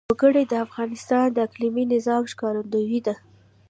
وګړي د افغانستان د اقلیمي نظام ښکارندوی ده.